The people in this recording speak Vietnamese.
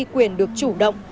đi quyền được chủ động